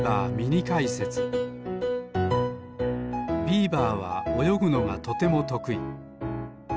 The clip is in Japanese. ビーバーはおよぐのがとてもとくい。